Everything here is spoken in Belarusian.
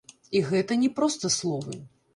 І гэта не проста словы.